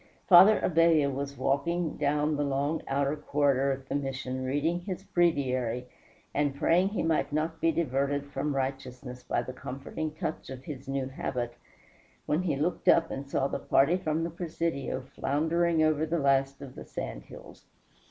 Father Abella was walking down the long outer corridor of the Mission reading his breviary, and praying he might not be diverted from righteousness by the comforting touch of his new habit, when he looked up and saw the party from the presidio floundering over the last of the sand hills.